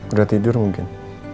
udah tidur mungkin